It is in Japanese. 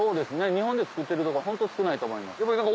日本で作ってる所はホント少ないと思います。